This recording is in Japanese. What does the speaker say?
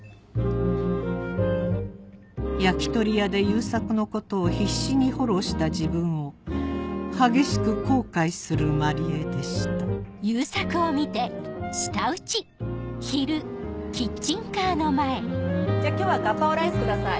焼き鳥屋で悠作のことを必死にフォローした自分を激しく後悔する万里江でしたじゃ今日はガパオライス下さい。